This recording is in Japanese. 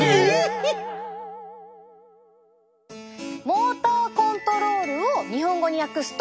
モーターコントロールを日本語に訳すと。